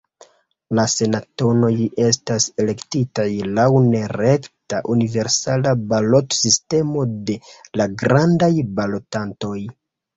La senatanoj estas elektitaj laŭ nerekta universala balotsistemo de la grandaj balotantoj.